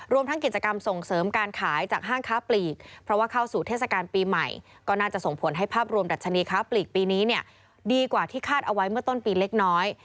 รวมทั้งกิจกรรมส่งเสริมการขายจากห้างค้าปลีกเพราะว่าเข้าสู่เทศกาลปีใหม่ก็น่าจะส่งผลให้ภาพรวมดัชนีค้าปลีกปีนี้เนี่ยดีกว่าที่คาดเอาไว้เมื่อต้นปีเล็กน้อย